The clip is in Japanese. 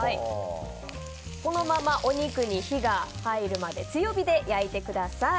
このままお肉に火が入るまで強火で焼いてください。